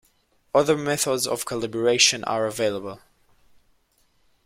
Other methods of calibration are available.